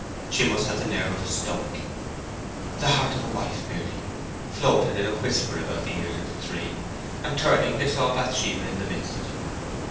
She must have the nerve of a stoic!" "The heart of a wife merely," floated in a whisper about the ears of the three, and turning they saw Bathsheba in the midst of them.